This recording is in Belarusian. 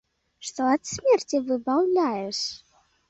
Што ад смерці выбаўляеш?